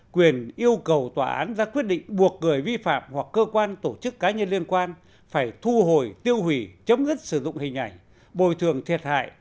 quyền yêu cầu tòa án ra quyết định buộc người vi phạm hoặc cơ quan tổ chức cá nhân liên quan phải thu hồi tiêu hủy chấm dứt sử dụng hình ảnh bồi thường thiệt hại